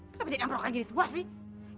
kenapa jadi amprokan gini semua sih